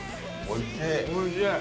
おいしい！